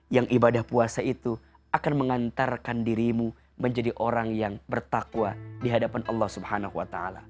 yang ibadah puasa itu akan mengantarkan dirimu menjadi orang yang bertakwa di hadapan allah swt